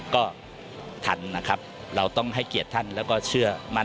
ก็ทันนะครับเราต้องให้เกียรติท่านแล้วก็เชื่อมั่น